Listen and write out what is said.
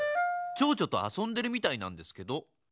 ちょうちょとあそんでるみたいなんですけど。